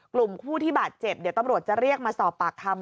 กลุ่มผู้ที่บาดเจ็บเดี๋ยวตำรวจจะเรียกมาสอบปากคำ